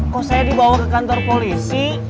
kok saya dibawa ke kantor polisi